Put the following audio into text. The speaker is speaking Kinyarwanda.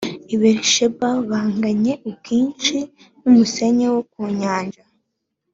i berisheba a banganye ubwinshi n umusenyi wo ku nyanja